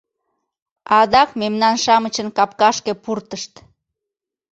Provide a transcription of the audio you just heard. Адак мемнан-шамычын капкашке пуртышт!